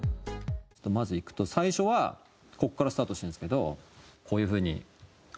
まずいくと最初はここからスタートしてるんですけどこういう風に。